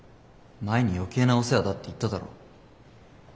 前に余計なお世話だって言っただろ。